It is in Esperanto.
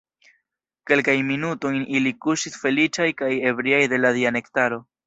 Kelkajn minutojn ili kuŝis feliĉaj kaj ebriaj de la dia nektaro.